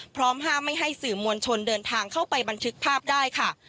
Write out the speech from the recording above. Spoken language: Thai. พร้อมห้ามไม่ให้สื่อมวลชนเดินทางเข้าไปบันทึกภาพได้ค่ะ